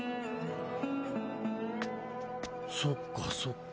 そっかそっか。